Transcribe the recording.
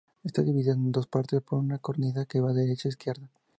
Está dividida en dos partes por una cornisa que va de derecha a izquierda.